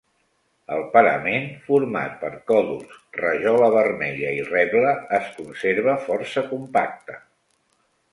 El parament, format per còdols, rajola vermella i reble, es conserva força compacte.